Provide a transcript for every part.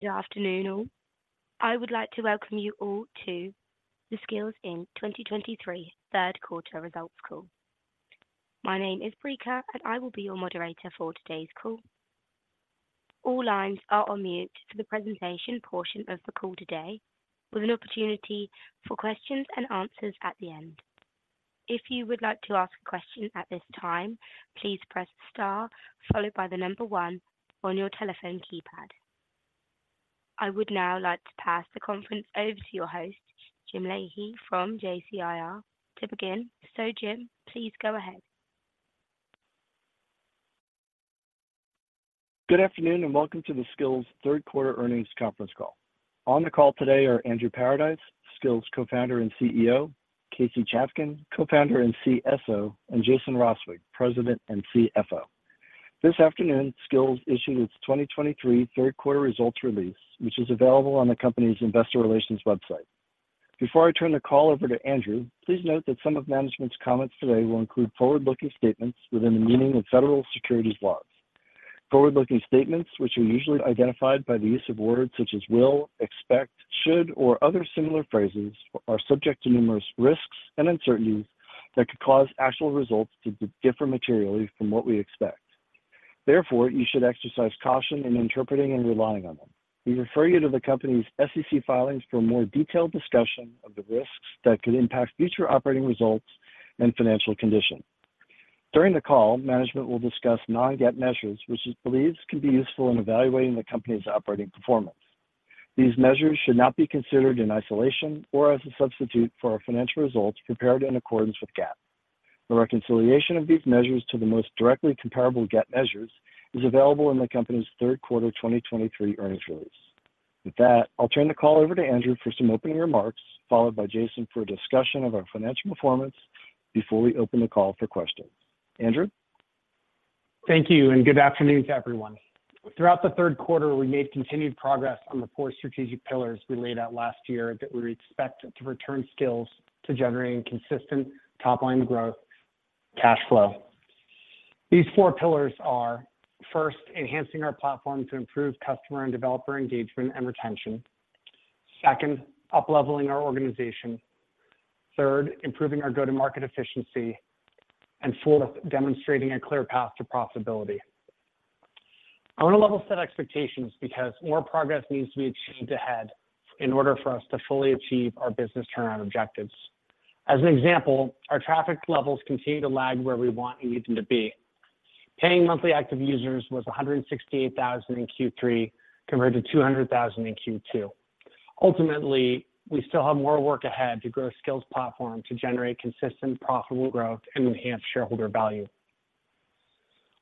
Good afternoon, all. I would like to welcome you all to the Skillz 2023 third quarter results call. My name is Brica, and I will be your moderator for today's call. All lines are on mute for the presentation portion of the call today, with an opportunity for questions and answers at the end. If you would like to ask a question at this time, please press star followed by the number one on your telephone keypad. I would now like to pass the conference over to your host, Jim Leahy, from JCIR, to begin. Jim, please go ahead. Good afternoon, and welcome to the Skillz third quarter earnings conference call. On the call today are Andrew Paradise, Skillz co-founder and CEO, Casey Chafkin, co-founder and CSO, and Jason Roswig, President and CFO. This afternoon, Skillz issued its 2023 third quarter results release, which is available on the company's investor relations website. Before I turn the call over to Andrew, please note that some of management's comments today will include forward-looking statements within the meaning of federal securities laws. Forward-looking statements, which are usually identified by the use of words such as will, expect, should, or other similar phrases, are subject to numerous risks and uncertainties that could cause actual results to differ materially from what we expect. Therefore, you should exercise caution in interpreting and relying on them. We refer you to the company's SEC filings for a more detailed discussion of the risks that could impact future operating results and financial condition. During the call, management will discuss non-GAAP measures, which it believes can be useful in evaluating the company's operating performance. These measures should not be considered in isolation or as a substitute for our financial results prepared in accordance with GAAP. The reconciliation of these measures to the most directly comparable GAAP measures is available in the company's third quarter 2023 earnings release. With that, I'll turn the call over to Andrew for some opening remarks, followed by Jason for a discussion of our financial performance before we open the call for questions. Andrew? Thank you, and good afternoon to everyone. Throughout the third quarter, we made continued progress on the four strategic pillars we laid out last year that we expect to return Skillz to generating consistent top-line growth, cash flow. These four pillars are, first, enhancing our platform to improve customer and developer engagement and retention. Second, upleveling our organization. Third, improving our go-to-market efficiency. And fourth, demonstrating a clear path to profitability. I want to level set expectations because more progress needs to be achieved ahead in order for us to fully achieve our business turnaround objectives. As an example, our traffic levels continue to lag where we want them to be. Paying monthly active users was 168,000 in Q3, compared to 200,000 in Q2. Ultimately, we still have more work ahead to grow Skillz's platform to generate consistent, profitable growth and enhance shareholder value.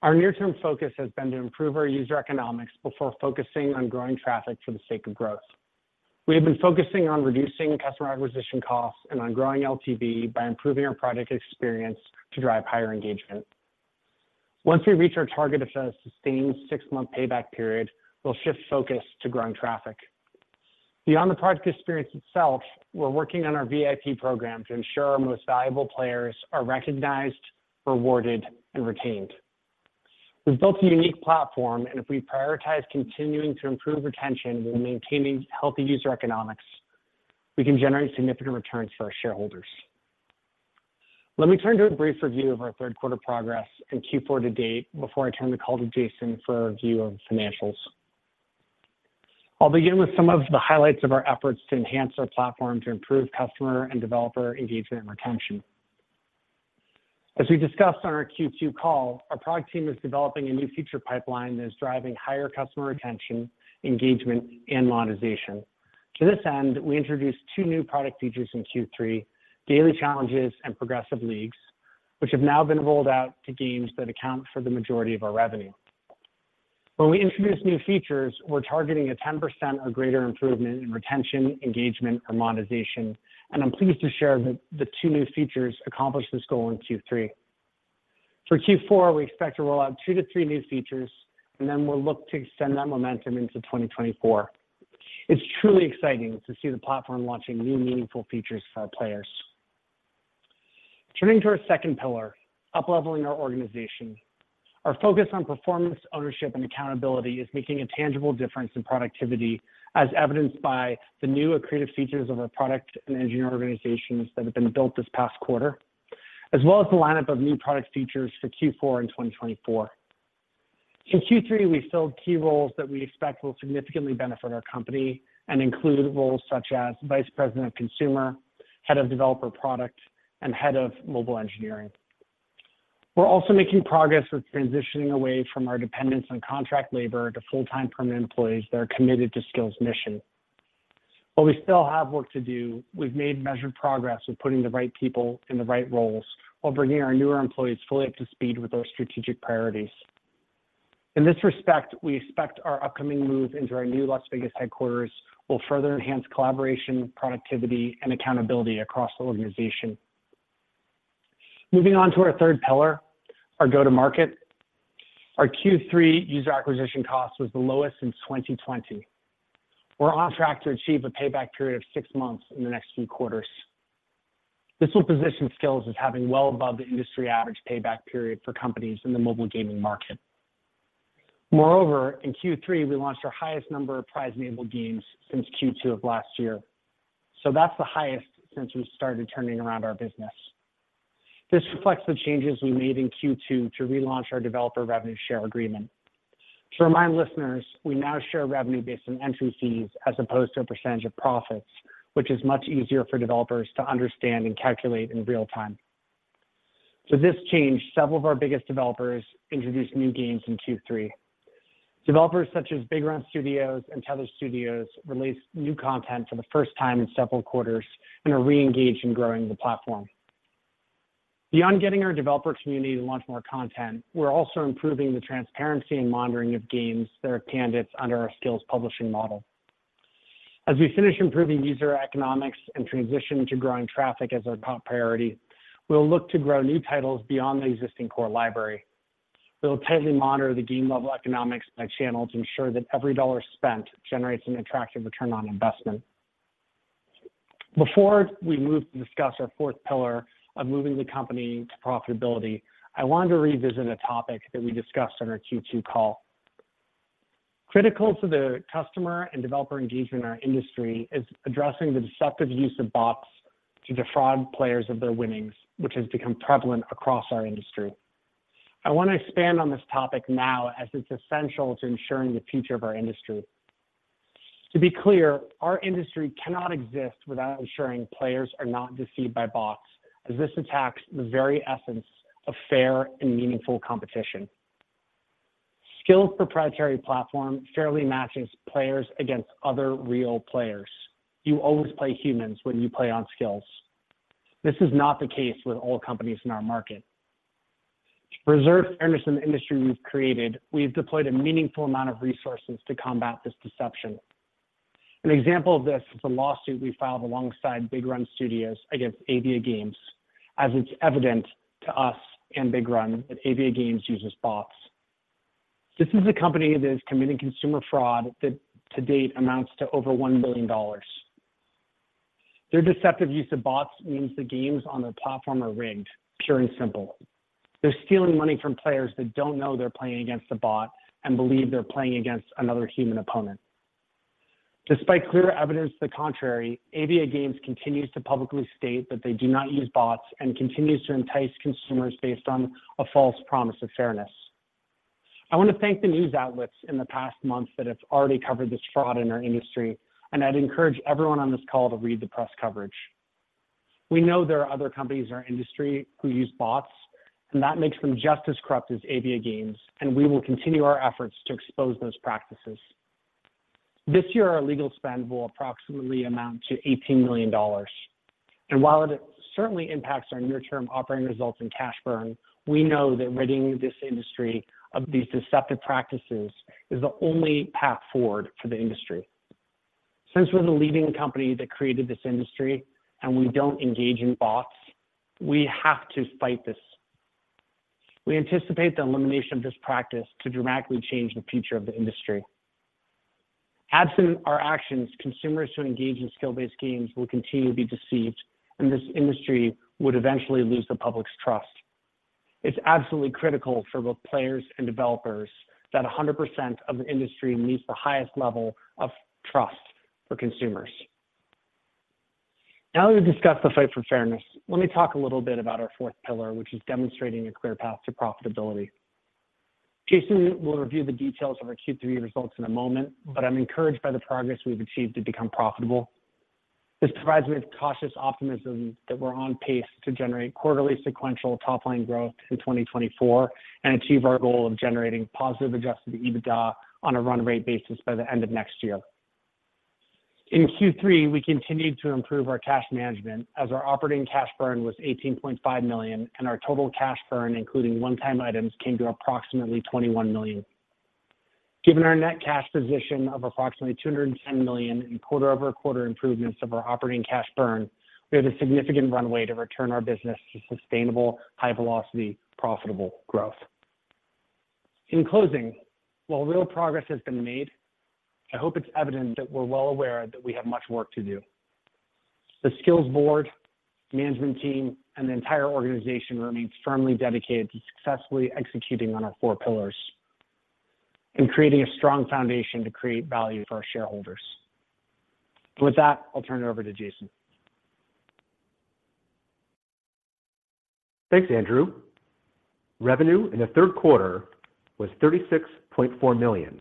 Our near-term focus has been to improve our user economics before focusing on growing traffic for the sake of growth. We have been focusing on reducing customer acquisition costs and on growing LTV by improving our product experience to drive higher engagement. Once we reach our target of a sustained six-month payback period, we'll shift focus to growing traffic. Beyond the product experience itself, we're working on our VIP program to ensure our most valuable players are recognized, rewarded, and retained. We've built a unique platform, and if we prioritize continuing to improve retention while maintaining healthy user economics, we can generate significant returns for our shareholders. Let me turn to a brief review of our third quarter progress and Q4 to date before I turn the call to Jason for a review of financials. I'll begin with some of the highlights of our efforts to enhance our platform to improve customer and developer engagement and retention. As we discussed on our Q2 call, our product team is developing a new feature pipeline that is driving higher customer retention, engagement, and monetization. To this end, we introduced two new product features in Q3, Daily Challenges and Progressive Leagues, which have now been rolled out to games that account for the majority of our revenue. When we introduce new features, we're targeting a 10% or greater improvement in retention, engagement, or monetization, and I'm pleased to share that the two new features accomplished this goal in Q3. For Q4, we expect to roll out two-three new features, and then we'll look to extend that momentum into 2024. It's truly exciting to see the platform launching new meaningful features for our players. Turning to our second pillar, upleveling our organization. Our focus on performance, ownership, and accountability is making a tangible difference in productivity, as evidenced by the new creative features of our product and engineering organizations that have been built this past quarter, as well as the lineup of new product features for Q4 in 2024. In Q3, we filled key roles that we expect will significantly benefit our company and include roles such as Vice President of Consumer, Head of Developer Product, and Head of Mobile Engineering. We're also making progress with transitioning away from our dependence on contract labor to full-time, permanent employees that are committed to Skillz's mission. While we still have work to do, we've made measured progress with putting the right people in the right roles while bringing our newer employees fully up to speed with our strategic priorities. In this respect, we expect our upcoming move into our new Las Vegas headquarters will further enhance collaboration, productivity, and accountability across the organization. Moving on to our third pillar, our go-to-market. Our Q3 user acquisition cost was the lowest since 2020. We're on track to achieve a payback period of six months in the next few quarters. This will position Skillz as having well above the industry average payback period for companies in the mobile gaming market. Moreover, in Q3, we launched our highest number of prize-enabled games since Q2 of last year. So that's the highest since we started turning around our business. This reflects the changes we made in Q2 to relaunch our developer revenue share agreement. To remind listeners, we now share revenue based on entry fees as opposed to a percentage of profits, which is much easier for developers to understand and calculate in real time. So, this change, several of our biggest developers introduced new games in Q3. Developers such as Big Run Studios and Tether Studios released new content for the first time in several quarters and are reengaged in growing the platform. Beyond getting our developer community to launch more content, we're also improving the transparency and monitoring of games that are candidates under our Skillz publishing model. As we finish improving user economics and transition to growing traffic as our top priority, we'll look to grow new titles beyond the existing core library. We'll tightly monitor the game-level economics by channel to ensure that every dollar spent generates an attractive return on investment. Before we move to discuss our fourth pillar of moving the company to profitability, I wanted to revisit a topic that we discussed on our Q2 call. Critical to the customer and developer engagement in our industry is addressing the deceptive use of bots to defraud players of their winnings, which has become prevalent across our industry. I want to expand on this topic now, as it's essential to ensuring the future of our industry. To be clear, our industry cannot exist without ensuring players are not deceived by bots, as this attacks the very essence of fair and meaningful competition. Skillz proprietary platform fairly matches players against other real players. You always play humans when you play on Skillz. This is not the case with all companies in our market. To preserve the fairness in the industry we've created, we've deployed a meaningful amount of resources to combat this deception. An example of this is a lawsuit we filed alongside Big Run Studios against AviaGames, as it's evident to us and Big Run that AviaGames uses bots. This is a company that is committing consumer fraud that to date amounts to over $1 billion. Their deceptive use of bots means the games on their platform are rigged, pure and simple. They're stealing money from players that don't know they're playing against a bot and believe they're playing against another human opponent. Despite clear evidence to the contrary, AviaGames continues to publicly state that they do not use bots and continues to entice consumers based on a false promise of fairness. I want to thank the news outlets in the past months that have already covered this fraud in our industry, and I'd encourage everyone on this call to read the press coverage. We know there are other companies in our industry who use bots, and that makes them just as corrupt as AviaGames, and we will continue our efforts to expose those practices. This year, our legal spend will approximately amount to $18 million. While it certainly impacts our near-term operating results and cash burn, we know that ridding this industry of these deceptive practices is the only path forward for the industry. Since we're the leading company that created this industry and we don't engage in bots, we have to fight this. We anticipate the elimination of this practice to dramatically change the future of the industry. Absent our actions, consumers who engage in skill-based games will continue to be deceived, and this industry would eventually lose the public's trust. It's absolutely critical for both players and developers that 100% of the industry meets the highest level of trust for consumers. Now that we've discussed the fight for fairness, let me talk a little bit about our fourth pillar, which is demonstrating a clear path to profitability. Jason will review the details of our Q3 results in a moment, but I'm encouraged by the progress we've achieved to become profitable. This provides me with cautious optimism that we're on pace to generate quarterly sequential top-line growth in 2024 and achieve our goal of generating positive Adjusted EBITDA on a run rate basis by the end of next year. In Q3, we continued to improve our cash management as our operating cash burn was $18.5 million, and our total cash burn, including one-time items, came to approximately $21 million. Given our net cash position of approximately $210 million in quarter-over-quarter improvements of our operating cash burn, we have a significant runway to return our business to sustainable, high velocity, profitable growth. In closing, while real progress has been made, I hope it's evident that we're well aware that we have much work to do. The Skillz board, management team, and the entire organization remains firmly dedicated to successfully executing on our four pillars and creating a strong foundation to create value for our shareholders. With that, I'll turn it over to Jason. Thanks, Andrew. Revenue in the third quarter was $36.4 million,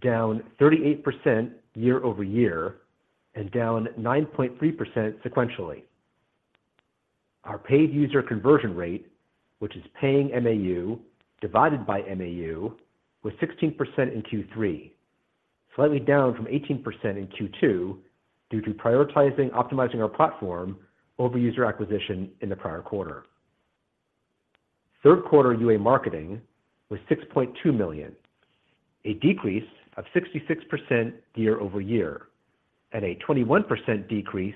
down 38% year-over-year and down 9.3% sequentially. Our paid user conversion rate, which is Paying MAU divided by MAU, was 16% in Q3, slightly down from 18% in Q2 due to prioritizing optimizing our platform over user acquisition in the prior quarter. Third quarter UA marketing was $6.2 million, a decrease of 66% year-over-year and a 21% decrease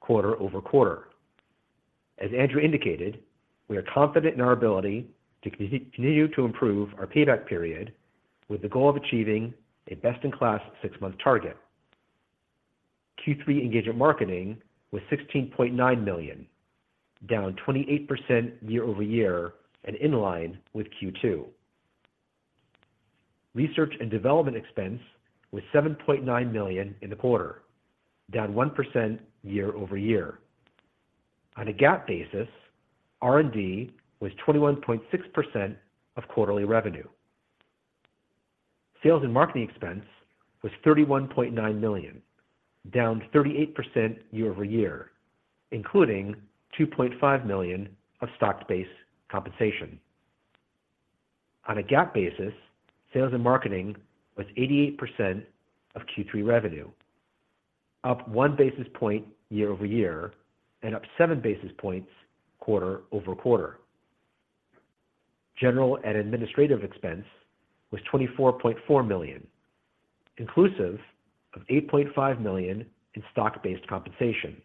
quarter-over-quarter. As Andrew indicated, we are confident in our ability to continue to improve our payback period. With the goal of achieving a best-in-class six-month target. Q3 engagement marketing was $16.9 million, down 28% year-over-year and in line with Q2. Research and development expense was $7.9 million in the quarter, down 1% year-over-year. On a GAAP basis, R&D was 21.6% of quarterly revenue. Sales and marketing expense was $31.9 million, down 38% year-over-year, including $2.5 million of stock-based compensation. On a GAAP basis, sales and marketing was 88% of Q3 revenue, up 1 basis point year-over-year and up 7 basis points quarter over quarter. General and administrative expense was $24.4 million, inclusive of $8.5 million in stock-based compensation,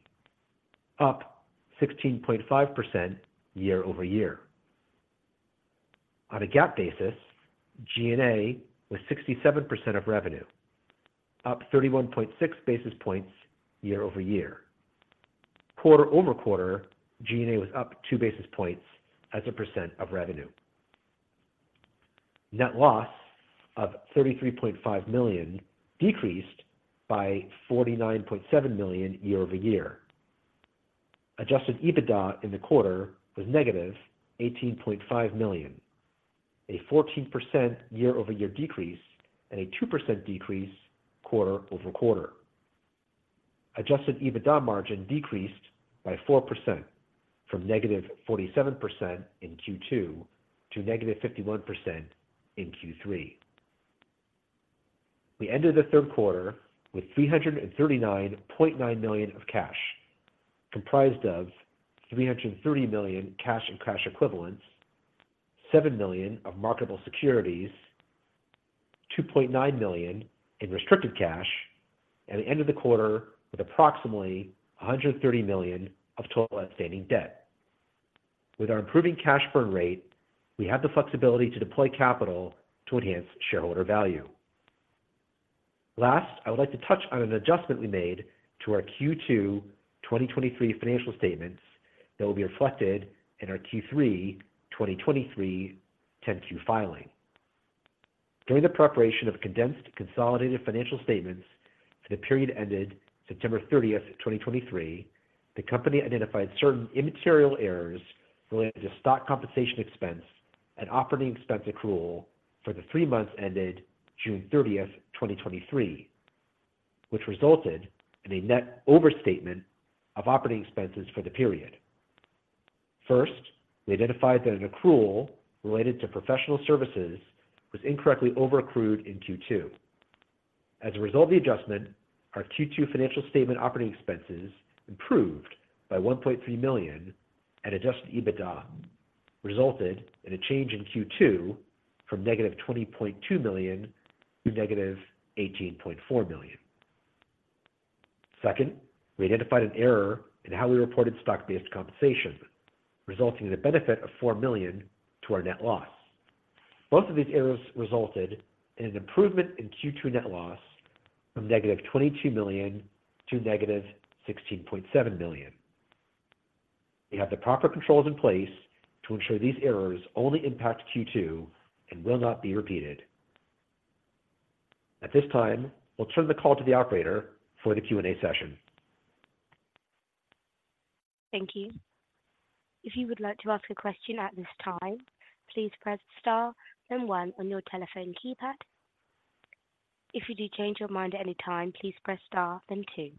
up 16.5% year-over-year. On a GAAP basis, G&A was 67% of revenue, up 31.6 basis points year-over-year. Quarter over quarter, G&A was up 2 basis points as a percent of revenue. Net loss of $33.5 million decreased by $49.7 million year-over-year. Adjusted EBITDA in the quarter was -$18.5 million, a 14% year-over-year decrease and a 2% decrease quarter over quarter. Adjusted EBITDA margin decreased by 4% from -47% in Q2 to -51% in Q3. We ended the third quarter with $339.9 million of cash, comprised of $330 million cash and cash equivalents, $7 million of marketable securities, $2.9 million in restricted cash, and ended the quarter with approximately $130 million of total outstanding debt. With our improving cash burn rate, we have the flexibility to deploy capital to enhance shareholder value. Last, I would like to touch on an adjustment we made to our Q2 2023 financial statements that will be reflected in our Q3 2023 10-Q filing. During the preparation of condensed consolidated financial statements for the period ended 30 September 2023, the company identified certain immaterial errors related to stock compensation expense and operating expense accrual for the three months ended 30 June 2023, which resulted in a net overstatement of operating expenses for the period. First, we identified that an accrual related to professional services was incorrectly over accrued in Q2. As a result of the adjustment, our Q2 financial statement operating expenses improved by $1.3 million, and Adjusted EBITDA resulted in a change in Q2 from -$20.2 million to -$18.4 million. Second, we identified an error in how we reported stock-based compensation, resulting in a benefit of $4 million to our net loss. Both of these errors resulted in an improvement in Q2 net loss from -$22 million to -$16.7 million. We have the proper controls in place to ensure these errors only impact Q2 and will not be repeated. At this time, we'll turn the call to the operator for the Q&A session. Thank you. If you would like to ask a question at this time, please press star then one on your telephone keypad. If you do change your mind at any time, please press star then two.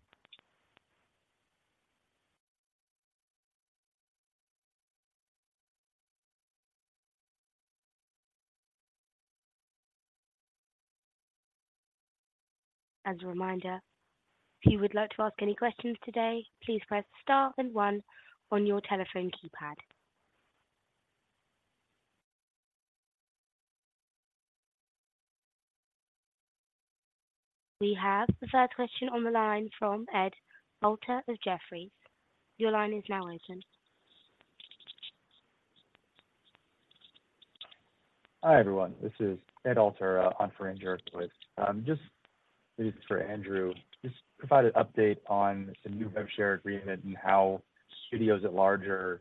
As a reminder, if you would like to ask any questions today, please press star and one on your telephone keypad. We have the first question on the line from Ed Alter of Jefferies. Your line is now open. Hi, everyone, this is Ed Alter on for Andrew. Just for Andrew, just provide an update on the new rev share agreement and how studios at large are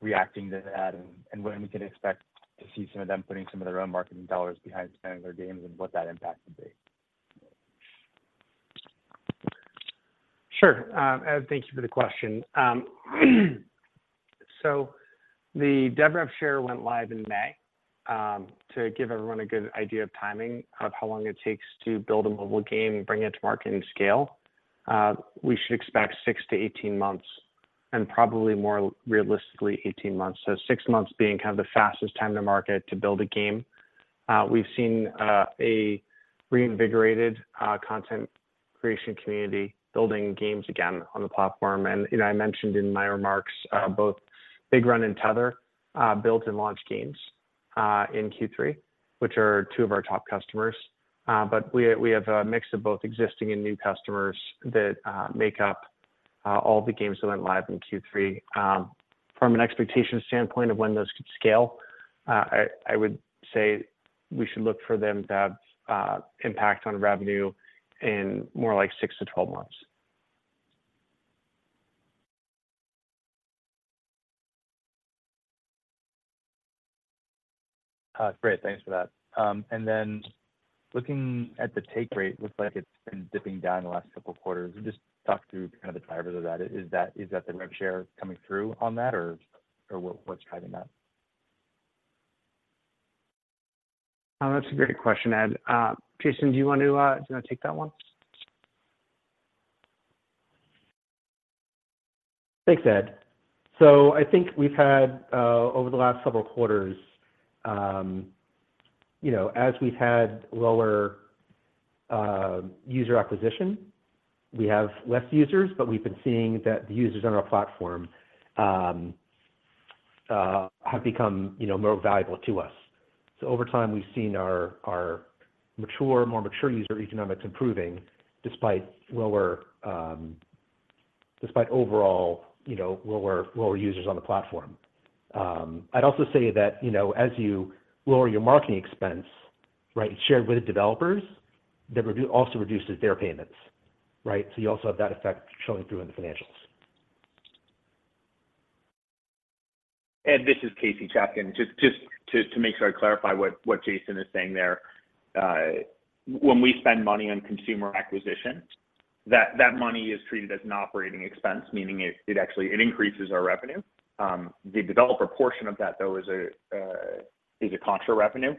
reacting to that, and, and when we can expect to see some of them putting some of their own marketing dollars behind spending their games and what that impact would be? Sure. Ed, thank you for the question. So the dev rev share went live in May. To give everyone a good idea of timing of how long it takes to build a mobile game and bring it to market and scale, we should expect six-18 months, and probably more realistically, 18 months. So six months being kind of the fastest time to market to build a game. We've seen a reinvigorated content creation community building games again on the platform. And, you know, I mentioned in my remarks, both Big Run and Tether built and launched games in Q3, which are two of our top customers. But we have a mix of both existing and new customers that make up all the games that went live in Q3. From an expectation standpoint of when those could scale, I would say we should look for them to have impact on revenue in more like six-12 months. Great. Thanks for that. And then looking at the take rate, looks like it's been dipping down the last couple of quarters. Just talk through kind of the drivers of that. Is that, is that the rev share coming through on that, or, or what, what's driving that? That's a great question, Ed. Jason, do you want to take that one? Thanks, Ed. So I think we've had over the last several quarters, you know, as we've had lower user acquisition, we have less users, but we've been seeing that the users on our platform have become, you know, more valuable to us. So over time, we've seen our more mature user economics improving despite lower, despite overall, you know, lower users on the platform. I'd also say that, you know, as you lower your marketing expense, right, shared with the developers, that also reduces their payments, right? So you also have that effect showing through in the financials. Ed, this is Casey Chafkin. Just to make sure I clarify what Jason is saying there. When we spend money on consumer acquisition, that money is treated as an operating expense, meaning it actually increases our revenue. The developer portion of that, though, is a contra revenue,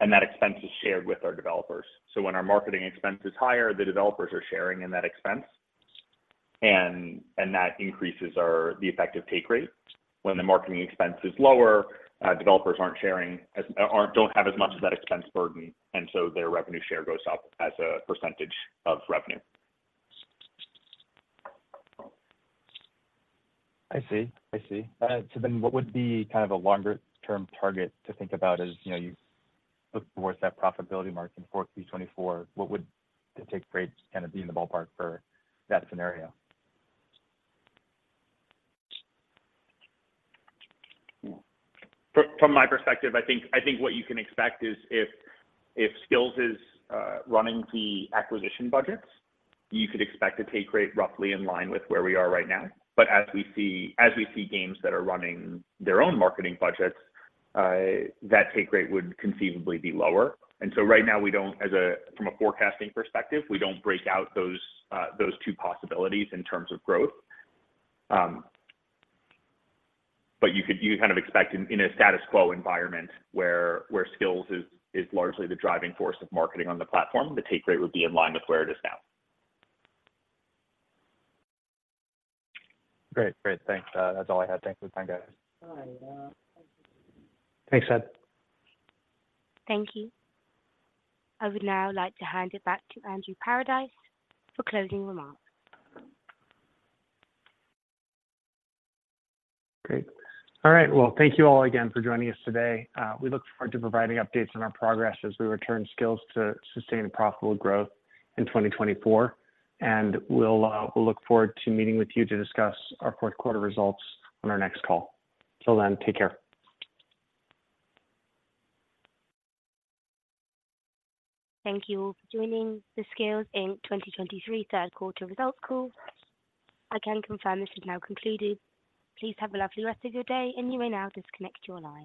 and that expense is shared with our developers. So when our marketing expense is higher, the developers are sharing in that expense, and that increases the effective take rate. When the marketing expense is lower, developers aren't sharing as much or don't have as much of that expense burden, and so their revenue share goes up as a percentage of revenue. I see. I see. So then what would be kind of a longer-term target to think about as, you know, you look towards that profitability mark in Q4 2024? What would the take rate kind of be in the ballpark for that scenario? From my perspective, I think what you can expect is if Skillz is running the acquisition budgets, you could expect a take rate roughly in line with where we are right now. But as we see games that are running their own marketing budgets, that take rate would conceivably be lower. And so right now, from a forecasting perspective, we don't break out those two possibilities in terms of growth. But you could kind of expect in a status quo environment where Skillz is largely the driving force of marketing on the platform, the take rate would be in line with where it is now. Great. Great. Thanks. That's all I had. Thanks for your time, guys. Thanks, Ed. Thank you. I would now like to hand it back to Andrew Paradise for closing remarks. Great. All right, well, thank you all again for joining us today. We look forward to providing updates on our progress as we return Skillz to sustained profitable growth in 2024, and we'll, we'll look forward to meeting with you to discuss our fourth quarter results on our next call. Till then, take care. Thank you all for joining the Skillz Inc. 2023 Third Quarter Results Call. I can confirm this is now concluded. Please have a lovely rest of your day, and you may now disconnect your line.